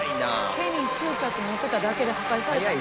毛に執着持ってただけで破壊された。